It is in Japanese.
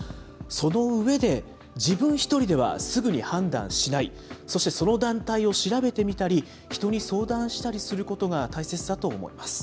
その上で、自分１人ではすぐに判断しない、そして、その団体を調べてみたり、人に相談したりすることが大切だと思います。